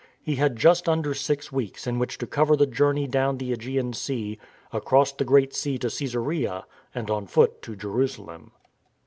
He had just under six weeks in which to cover the journey down the ^gean Sea, across the Great Sea to Csesarea and on foot to [Jerusalem.